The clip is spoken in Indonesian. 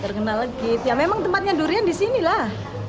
terkenal gitu ya memang tempatnya durian disini lah